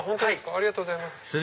ありがとうございます。